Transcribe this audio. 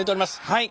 はい。